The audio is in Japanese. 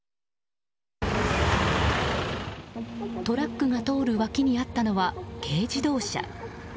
トラックが通る脇にあったのは軽自動車。